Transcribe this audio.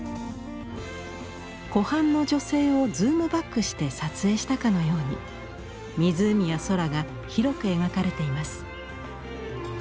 湖畔の女性をズームバックして撮影したかのように湖や空が広く描かれています。